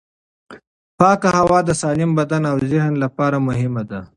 پاکه هوا د سالم بدن او ذهن لپاره مهمه ده.